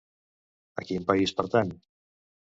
A quin país pertany?